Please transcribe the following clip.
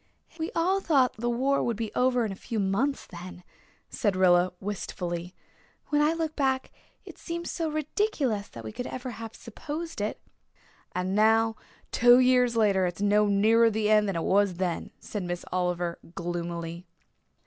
"We all thought the war would be over in a few months then," said Rilla wistfully. "When I look back it seems so ridiculous that we ever could have supposed it." "And now, two years later, it is no nearer the end than it was then," said Miss Oliver gloomily.